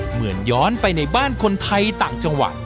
เหมือนย้อนไปในบ้านคนไทยต่างจังหวัด